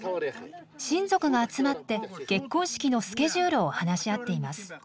親族が集まって結婚式のスケジュールを話し合っています。